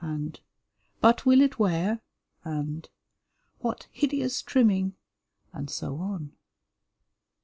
and "But will it wear?" and "What hideous trimming!" and so on.